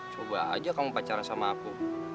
coba aja kamu pacara sama aku